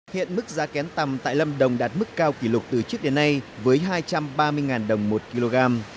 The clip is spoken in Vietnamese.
hiện mức giá kén tầm tại lâm đồng đạt mức cao kỷ lục từ trước đến nay với hai trăm ba mươi đồng một kg